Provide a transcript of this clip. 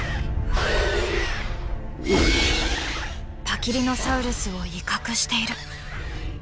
パキリノサウルスを威嚇している。